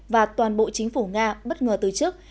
và toàn bộ chính phủ nga bất ngờ từ chức